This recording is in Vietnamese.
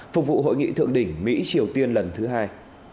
phục vụ hội nghị thượng đỉnh mỹ triều tiên lần thứ hai